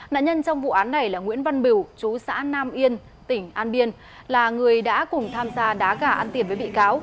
nạn nhân trong vụ án này là nguyễn văn biểu chú xã nam yên tỉnh an biên là người đã cùng tham gia đá gà ăn tiền với bị cáo